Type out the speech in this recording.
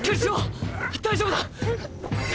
大丈夫だ！